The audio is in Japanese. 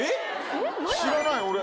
知らない俺。